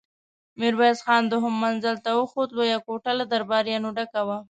ميرويس خان دوهم منزل ته وخوت، لويه کوټه له درباريانو ډکه وه.